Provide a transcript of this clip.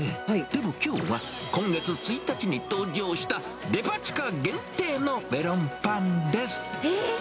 でもきょうは、今月１日に登場した、デパ地下限定のメロンパンでえっ？